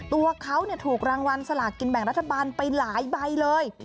ตัวเขาถูกรางวัลสลากกินแบ่งรัฐบาลไปหลายใบเลย